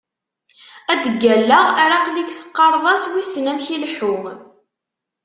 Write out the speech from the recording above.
Ad d-ggalleɣ ar aql-ik teqqareḍ-as wissen amek ileḥḥu.